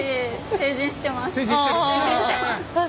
成人してます。